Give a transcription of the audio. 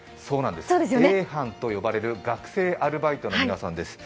Ａ班と呼ばれる学生アルバイトの皆さんです。